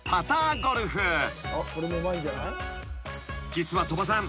［実は鳥羽さん。